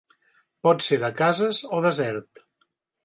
Pot ser de cases o desert.